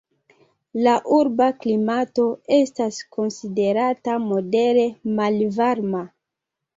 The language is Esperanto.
La urba klimato estas konsiderata modere malvarma.